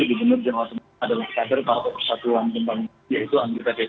itu di jawa tengah adalah sadar kalau persatuan kembangnya yaitu anggota kt